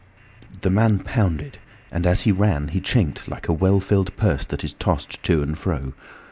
By the man pounded, and as he ran he chinked like a well filled purse that is tossed to and fro.